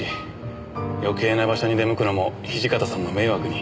余計な場所に出向くのも土方さんの迷惑に。